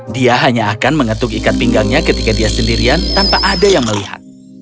dia hanya akan mengetuk ikat pinggangnya ketika dia sendirian tanpa ada yang melihat